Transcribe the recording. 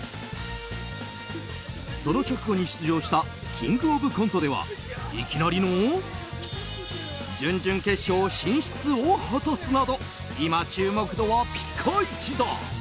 その直後に出場した「キングオブコント」ではいきなりの準々決勝進出を果たすなど今、注目度はピカイチだ！